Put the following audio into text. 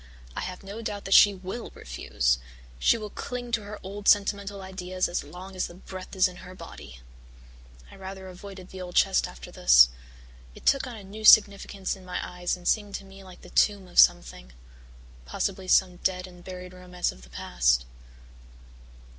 I have no doubt that she will refuse. She will cling to her old sentimental ideas as long as the breath is in her body." I rather avoided the old chest after this. It took on a new significance in my eyes and seemed to me like the tomb of something possibly some dead and buried romance of the past.